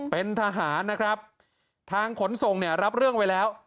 เป็นทหารนะครับทางขนส่งเนี่ยรับเรื่องไว้แล้ว